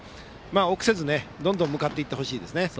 臆せずどんどん向かっていってほしいですね。